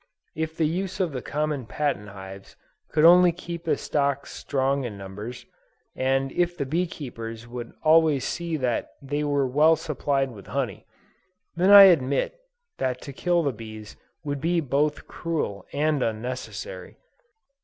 If the use of the common patent hives could only keep the stocks strong in numbers, and if the bee keepers would always see that they were well supplied with honey, then I admit that to kill the bees would be both cruel and unnecessary.